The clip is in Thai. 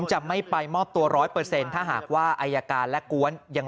จะไม่ไปมอบตัวร้อยเปอร์เซ็นต์ถ้าหากว่าไอยการและกว้นยัง